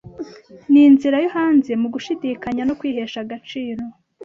Ninzira yo hanze mu gushidikanya no kwihesha agaciro?